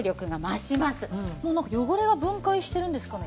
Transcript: もうなんか汚れが分解してるんですかね？